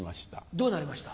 どうなりました？